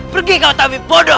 pergi kau tapi bodoh